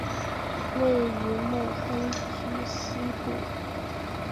位于目黑区西部。